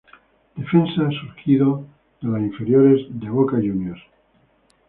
Defensa surgido de las inferiores de Boca Juniors.